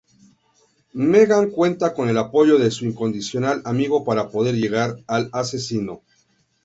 Megan cuenta con el apoyo de su incondicional amigo para poder llegar al asesino.